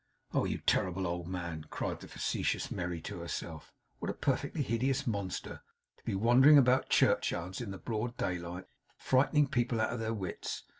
'Oh, you terrible old man!' cried the facetious Merry to herself. 'What a perfectly hideous monster to be wandering about churchyards in the broad daylight, frightening people out of their wits!